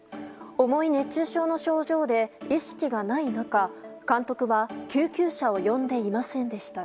思い熱中症の症状で意識がない中監督は救急車を呼んでいませんでした。